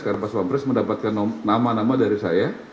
karena pas pampres mendapatkan nama nama dari saya